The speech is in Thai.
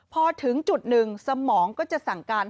พอถึงจุดหนึ่งสมองก็จะสั่งการ